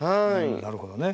なるほどね。